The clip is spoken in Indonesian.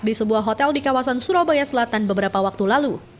di sebuah hotel di kawasan surabaya selatan beberapa waktu lalu